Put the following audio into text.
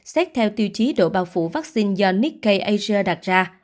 xét theo tiêu chí độ bao phủ vaccine do nikkei asia đặt ra